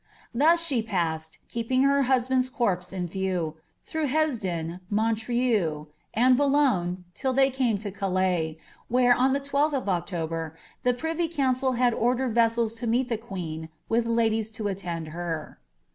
^ Thus she passed, keeping her hu»i ' Wnd'a corpse in view, through Hesdin, Monircnil, and Boiilngiie, till they came to Calais, where, on the I2lh of October, the privy couneS had ordered Tessels to meet the qneen, with ladies to attend her.